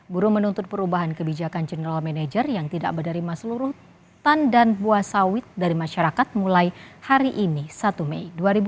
buruh menuntut perubahan kebijakan general manager yang tidak menerima seluruh tan dan buah sawit dari masyarakat mulai hari ini satu mei dua ribu dua puluh